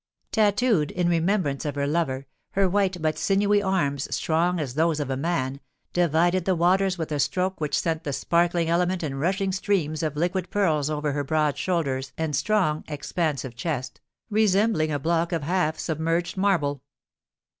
Tattooed in remembrance of her lover, her white but sinewy arms, strong as those of a man, divided the waters with a stroke which sent the sparkling element in rushing streams of liquid pearls over her broad shoulders and strong, expansive chest, resembling a block of half submerged marble.